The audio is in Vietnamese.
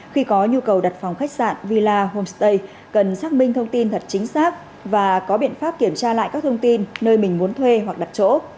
khi có nhu cầu đặt phòng khách sạn villa homestay cần xác minh thông tin thật chính xác và có biện pháp kiểm tra lại các thông tin nơi mình muốn thuê hoặc đặt chỗ